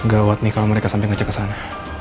gawat nih kalo mereka sampe ngecek kesana